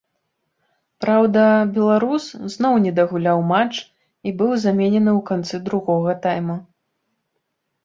Праўда, беларус зноў не дагуляў матч і быў заменены ў канцы другога тайма.